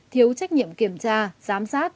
thiếu trách nhiệm kiểm tra giám sát